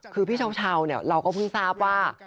คือพี่เช้าเนี่ยเราก็เพิ่งทราบว่า